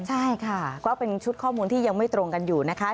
ใช่ค่ะก็เป็นชุดข้อมูลที่ยังไม่ตรงกันอยู่นะคะ